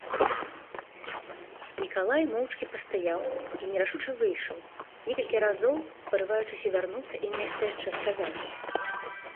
Мікалай моўчкі пастаяў і нерашуча выйшаў, некалькі разоў парываючыся вярнуцца і нешта яшчэ сказаць.